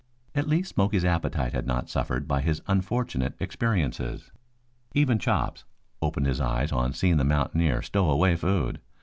At least Smoky's appetite had not suffered by his unfortunate experiences. Even Chops opened his eyes on seeing the mountaineer stow away food.